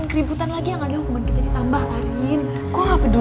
terima kasih mbak